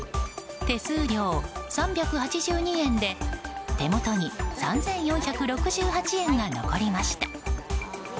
手数料３８２円で手元に３４６８円が残りました。